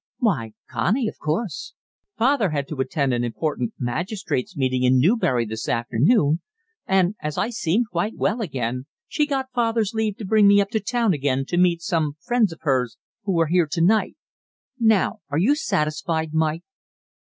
"Why, Connie, of course. Father had to attend an important magistrates' meeting in Newbury this afternoon, and, as I seemed quite well again, she got father's leave to bring me up to town again to meet some friends of hers who are here to night. Now are you satisfied, Mike?"